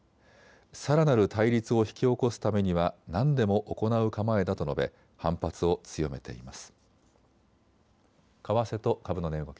さらなる対立を引き起こすためには何でも行う構えだと述べ反発を強めています。